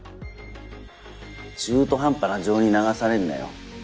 中途半端な情に流されんなよ。